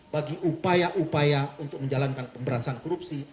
bagi upaya upaya untuk menjalankan pemberantasan korupsi